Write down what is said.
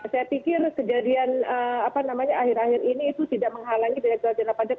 saya pikir kejadian akhir akhir ini itu tidak menghalangi direkturat jenderal pajak